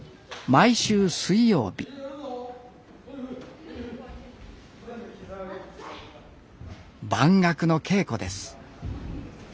毎週水曜日「番楽」の稽古です